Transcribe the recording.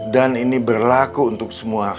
dan ini berlaku untuk semua